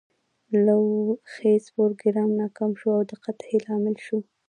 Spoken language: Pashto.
لوی خیز پروګرام ناکام شو او د قحطي لامل ګړ.